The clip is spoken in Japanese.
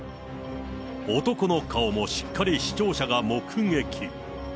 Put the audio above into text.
男の顔もしっかり視聴者が目撃。